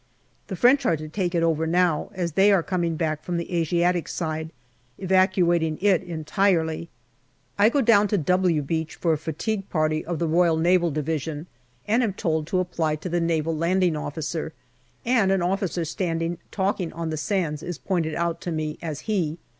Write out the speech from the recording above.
The French are to take it over now, as they are coming back from the Asiatic side, evacuating it entirely. I go down to " W" Beach for a fatigue party of the R.N.D., and am told to apply to the Naval Landing Officer, and an officer standing talking on the sands is pointed out to me as he.